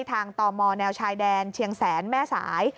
ตมแนวชายแดนเชียงแสนแม่สาย